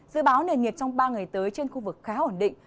dự báo nền nhiệt trong ba ngày tới trên khu vực khá ổn định